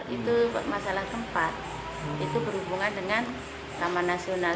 itu masalah tempat itu berhubungan dengan taman nasional